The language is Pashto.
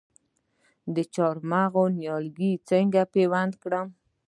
د چهارمغز نیالګي څنګه پیوند کړم؟